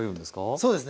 そうですね。